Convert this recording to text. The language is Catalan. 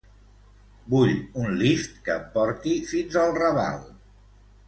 Vull un Lyft que em porti fins al Raval.